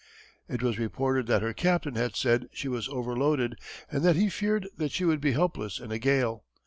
It was reported that her captain had said she was overloaded and that he feared that she would be helpless in a gale.